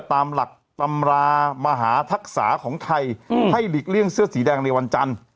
ตามหลักตำรามหาทักษะของไทยให้หลีกเลี่ยงเสื้อสีแดงในวันจันทร์